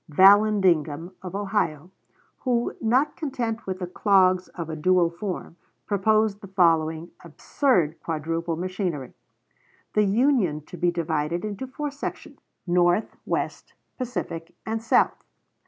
Vallandigham, of Ohio, who, not content with the clogs of a dual form, proposed the following absurd quadruple machinery: The Union to be divided into four sections: North, West, Pacific, and South.